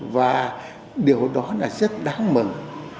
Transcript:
và điều đó là rất đáng mừng